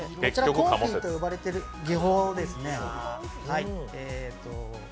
コンフィと呼ばれてる技法ですね。